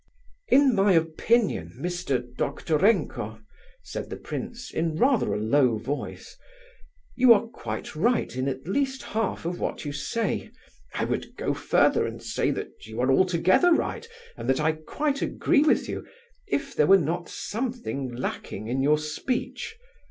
"In my opinion, Mr. Doktorenko," said the prince, in rather a low voice, "you are quite right in at least half of what you say. I would go further and say that you are altogether right, and that I quite agree with you, if there were not something lacking in your speech.